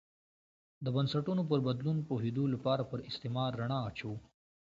د بنسټونو پر بدلون پوهېدو لپاره پر استعمار رڼا اچوو.